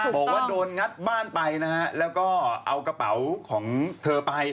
บอกว่าโดนงัดบ้านไปนะฮะแล้วก็เอากระเป๋าของเธอไป